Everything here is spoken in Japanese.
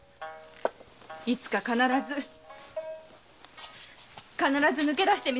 いつか必ず必ず抜け出してみせます！